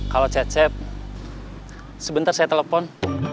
kalau cecep sebentar saya telepon